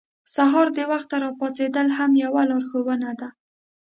سهار د وخته راپاڅېدل هم یوه لارښوونه ده.